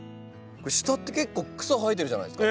下って結構草生えてるじゃないですか。